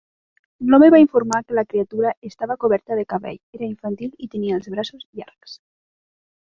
L'home va informar que la criatura estava coberta de cabell, era infantil i tenia els braços llargs.